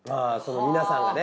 皆さんがね。